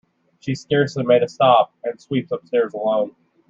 She scarcely makes a stop, and sweeps upstairs alone.